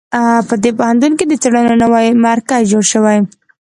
په دې پوهنتون کې د څېړنو نوی مرکز جوړ شوی